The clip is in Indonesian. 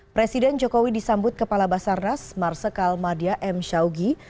presiden jokowi disambut kepala basarnas marsikal madia m syaugi